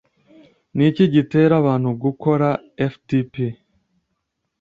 niki gitera abantu gutora fdp